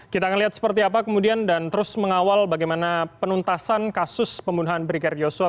kita akan lihat seperti apa kemudian dan terus mengawal bagaimana penuntasan kasus pembunuhan brigadir yosua